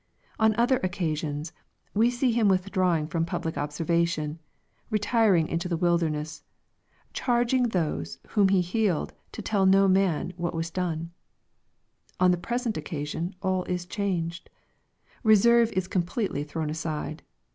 On other occasions, we see Him withdrawing from public obser vation, retiring into the wilderness, charging those whom He healed to tell no man what was done. On the pre sent occasion all is changed. Reserve is completely thrown aside.